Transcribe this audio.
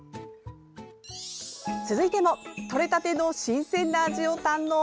続いてもとれたての新鮮な味を堪能。